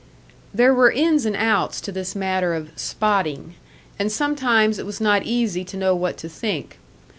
There were ins and outs to this matter of "spotting," and sometimes it was not easy to know what to think.